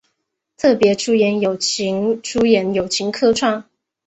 特别出演友情出演友情客串